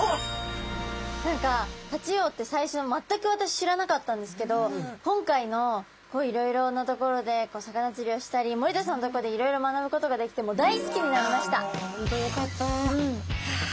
何かタチウオって最初全く私知らなかったんですけど今回のいろいろなところで魚釣りをしたり森田さんのところでいろいろ学ぶことができてああ